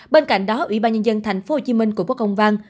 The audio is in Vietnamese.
bên cạnh đó ủy ban nhân dân thành phố hồ chí minh của bộ công văn